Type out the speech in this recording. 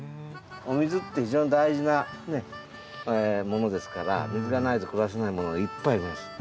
お水って非常に大事なものですから水がないと暮らせないものがいっぱいいます。